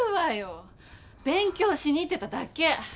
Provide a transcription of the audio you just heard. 勉強しに行ってただけ。